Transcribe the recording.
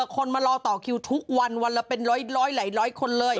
คนมารอต่อคิวทุกวันวันละเป็นหลอยคนเลย